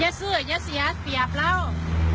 อย่าเสื้ออย่าเสียเปรียบเรา